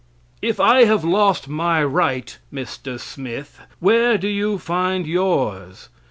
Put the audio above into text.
If I have lost my right, Mr. Smith, where did you find yours?